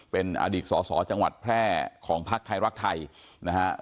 เป็นอดีตสอสอจังหวัดแพร่ของพักไทยรักไทยนะฮะ